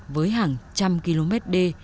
với hàng trăm km đê